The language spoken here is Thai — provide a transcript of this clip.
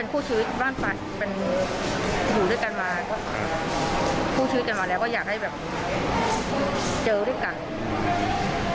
คู่ชีวิตกันมาแล้วก็อยากให้แบบเจอด้วยกัน